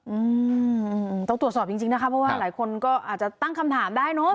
อืมต้องตรวจสอบจริงจริงนะคะเพราะว่าหลายคนก็อาจจะตั้งคำถามได้เนอะ